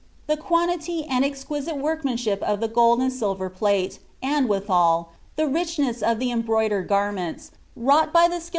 The quantity and exquisite worliinaiiship of the gold and silver plate, and withal, the richness of the onbrDidered gurmenti, wrought by the skdfu!